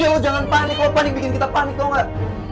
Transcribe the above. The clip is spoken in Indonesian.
ya lo jangan panik lo panik bikin kita panik tau gak